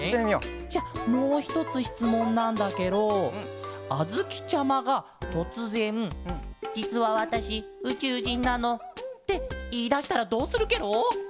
じゃもうひとつしつもんなんだケロあづきちゃまがとつぜん「じつはわたしうちゅうじんなの」っていいだしたらどうするケロ？